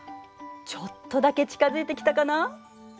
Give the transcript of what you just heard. ちょっとだけ近づいてきたかな。